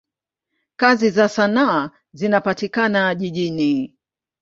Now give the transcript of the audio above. Kazi za sanaa zinapatikana jijini.